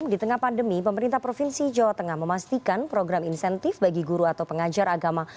di tengah pandemi pemerintah provinsi jawa tengah memastikan program insentif bagi guru atau pengajar agama